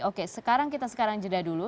oke sekarang kita sekarang jeda dulu